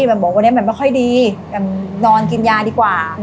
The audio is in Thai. แบบว่าวันนี้แบบไม่ค่อยดีนอนกินยาดีกว่า